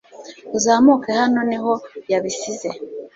Uzamuke hano niho yabisize